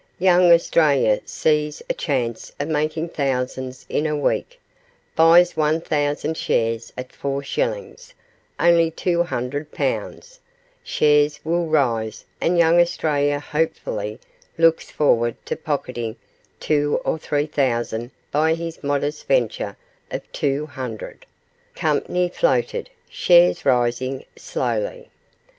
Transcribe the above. Young Australia sees a chance of making thousands in a week; buys one thousand shares at four shillings only two hundred pounds; shares will rise and Young Australia hopefully looks forward to pocketing two or three thousand by his modest venture of two hundred; company floated, shares rising slowly.